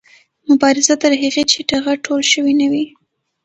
مبارزه تر هغې چې ټغر ټول شوی نه وي